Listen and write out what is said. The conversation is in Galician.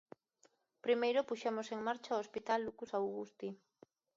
Primeiro puxemos en marcha o Hospital Lucus Augusti.